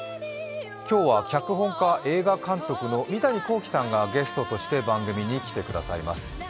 今日は脚本家、映画監督の三谷幸喜さんがゲストとして番組に来てくださいます。